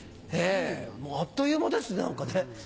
もうあっという間ですね何かね。